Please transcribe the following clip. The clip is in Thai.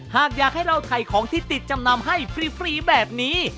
หากอยากให้เราถ่ายของที่ติดจำนำให้ฟรีแบบนี้